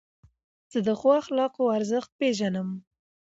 زه د ښو اخلاقو ارزښت پېژنم.